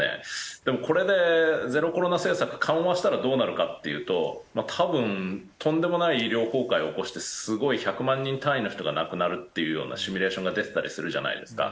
でもこれでゼロコロナ政策緩和したらどうなるかっていうと多分とんでもない医療崩壊を起こしてすごい１００万人単位の人が亡くなるっていうようなシミュレーションが出てたりするじゃないですか。